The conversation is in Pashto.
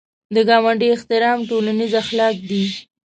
د ګاونډي احترام ټولنیز اخلاق دي